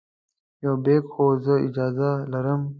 یو بیک خو زه اجازه لرم.